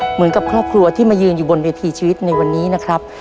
เหมือนกับครอบครัวที่มายืนอยู่บนเวทีชีวิตในวันนี้นะครับ